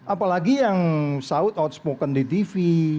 apalagi yang saud outspoken di tv